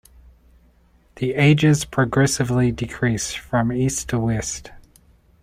The ages progressively decrease from east to west.